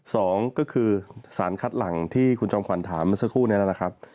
สองก็คือสารคัดหลังที่คุณจอมขวัญถามเมื่อสักครู่นี้นะครับ